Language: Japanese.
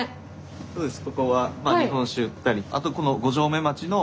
そうです